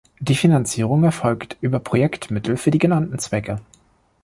Die Finanzierung erfolgt über Projektmittel für die genannten Zwecke.